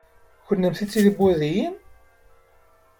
Kennemti d tibudiyin?